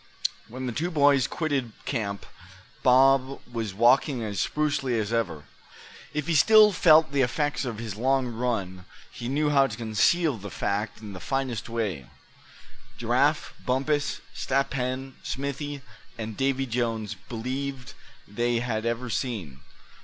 When the two boys quitted camp Bob was walking as sprucely as ever. If he still felt the effects of his long run he knew how to conceal the fact in the finest way Giraffe, Bumpus, Step Hen, Smithy, and Davy Jones believed they had ever seen.